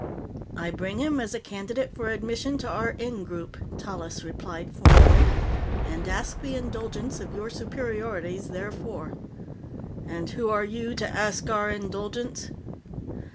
"I bring him as a candidate for admission to our Ingroup," Tallis replied formally, "and ask the indulgence of Your Superiorities therefor." "And who are you who ask our indulgence?"